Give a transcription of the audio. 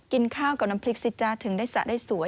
กินข้าวกับน้ำพริกสิจ๊ะถึงได้สระได้สวย